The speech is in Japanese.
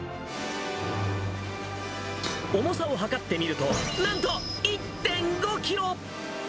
重さを量ってみると、なんと１．５キロ。